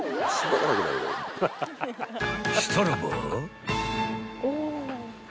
［したらば］